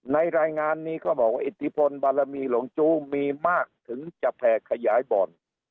รายงานนี้ก็บอกว่าอิทธิพลบารมีหลงจู้มีมากถึงจะแผ่ขยายบ่อน